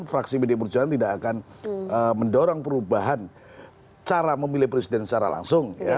fraksi pd perjuangan tidak akan mendorong perubahan cara memilih presiden secara langsung